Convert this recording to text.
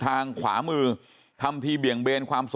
ทำให้สัมภาษณ์อะไรต่างนานไปออกรายการเยอะแยะไปหมด